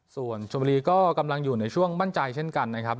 ส่วนชมบุรีก็กำลังอยู่ในช่วงมั่นใจเช่นกันนะครับ